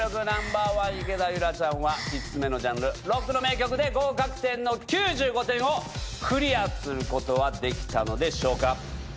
ナンバーワン池田裕楽ちゃんは５つ目のジャンル「ロック」の名曲で合格点の９５点をクリアすることはできたのでしょうか。